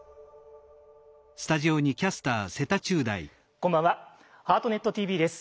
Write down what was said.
こんばんは「ハートネットＴＶ」です。